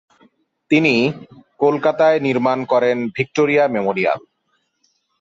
তিনি কলকাতায় নির্মাণ করেন ‘ভিক্টোরিয়া মেমোরিয়াল’।